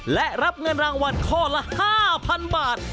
และรับเงินรางวัลข้อละ๕๐๐๐บาท